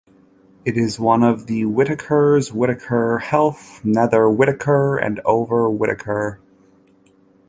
It is one of 'The Whitacres' - Whitacre Heath, Nether Whitacre and Over Whitacre.